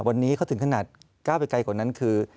วันนี้เขาถึงขนาดก้าวไปไกลกว่านั้นคือ